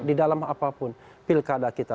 di dalam apapun pilkada kita